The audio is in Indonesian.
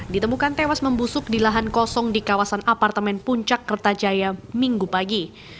ditemukan tewas membusuk di lahan kosong di kawasan apartemen puncak kertajaya minggu pagi